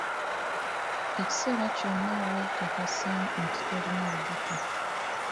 Ekiseera kyonna we weekakasiza nti toilina lubuto.